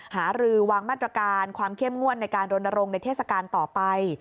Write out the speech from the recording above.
หารือวางมาตรการความเข้มงวดในการรณรงค์ในเทศกาลต่อไป